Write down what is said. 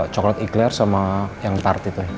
coklat igler sama yang tart itu